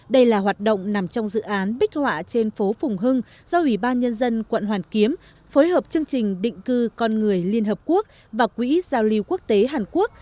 đây là hoạt động nằm trong dự án bích họa trên phố phùng hưng do ủy ban nhân dân quận hoàn kiếm phối hợp chương trình định cư con người liên hợp quốc và quỹ giao lưu quốc tế hàn quốc